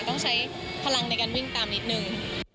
ต้องใช้พลังในการวิ่งตามนิดนึง